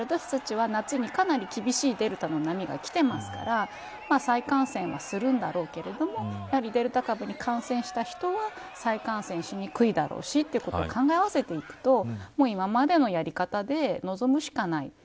だから、私たちはかなり厳しいデルタの波がきていますから再感染はするんだろうけれどもやはりデルタ株に感染した人は再感染しにくいだろうしということを考えあわせていくと今までのやり方で臨むしかない。